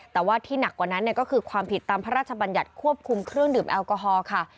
แต่ว่าที่หนักกว่านั้นก็คือความผิดตามพระราชบัญญัติควบคุมเครื่องดื่มแอลกอฮอล์ค่ะ